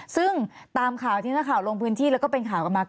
ซึ่งตามข่าวที่นักข่าวลงพื้นที่แล้วก็เป็นข่าวกันมา